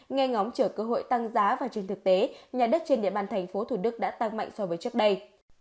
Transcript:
ngay ngóng chở cơ hội tăng giá vào trường thực tế nhà đất trên địa bàn tp thủ đức đã tăng mạnh so với trước đây